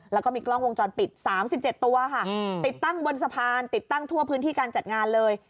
แล้วก็มีกล้องวงจรปิด๓๗ตัวค่ะติดตั้งบนสะพานติดตั้งทั่วพื้นที่การจัดงานเลย